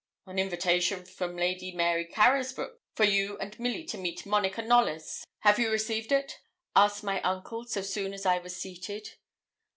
'An invitation from Lady Mary Carysbroke for you and Milly to meet Monica Knollys; have you received it?' asked my uncle, so soon as I was seated.